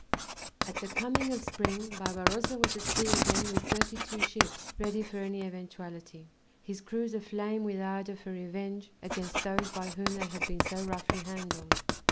At the coming of spring Barbarossa was at sea again with thirty two ships ready for any eventuality, his crews aflame with ardor for revenge against those by whom they had been so roughly handled.